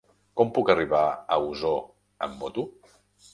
Com puc arribar a Osor amb moto?